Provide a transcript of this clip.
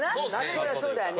そらそうだよね。